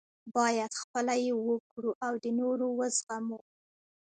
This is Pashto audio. باید خپله یې وکړو او د نورو وزغمو.